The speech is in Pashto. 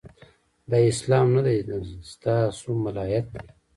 دا اسلام نه دی، د ستا سو ملایت دی